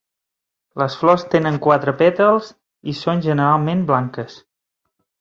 Les flors tenen quatre pètals i són generalment blanques.